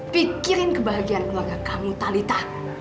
pikirin kebahagiaan keluarga kamu talitha